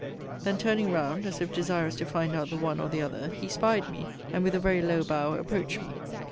Then, turning round, as if desirous to find out the one or the other, he 'spied me, and with a very low bow, approached me.